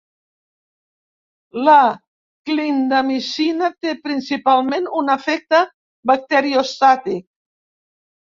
La clindamicina té principalment un efecte bacteriostàtic.